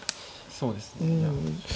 そうですねいや。